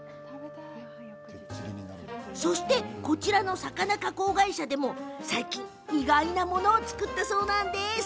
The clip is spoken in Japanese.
そして、こちらの魚の加工会社でも最近、意外なものを作ったそう。